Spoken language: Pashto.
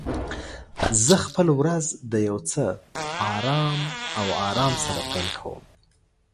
زه خپل ورځ د یو څه آرام او آرام سره پیل کوم.